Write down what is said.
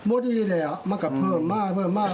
มันดีแหละมันก็เพิ่มมากเพิ่มมาก